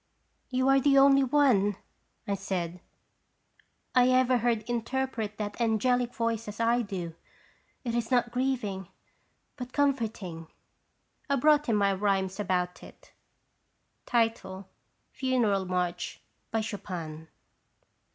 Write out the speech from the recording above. "You are the only one/ 1 I said, "lever heard interpret that angelic voice as I do. It is not grieving, but comforting." I brought him my rhymes about it. FUNERAL MARCH. Chopin.